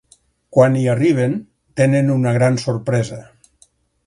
Quan hi arriben, tenen una gran sorpresa.